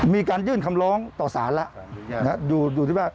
มีการยื่นคำร้องต่อสารแล้ว